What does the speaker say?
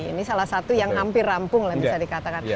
ini salah satu yang hampir rampung lah bisa dikatakan